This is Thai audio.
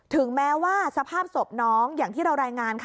ถึงแม้ว่าสภาพศพน้องอย่างที่เรารายงานค่ะ